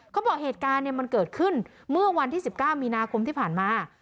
เขาบอกเหตุการณ์มันเกิดขึ้นเมื่อวันที่๑๙มีนาคมที่ผ่านมา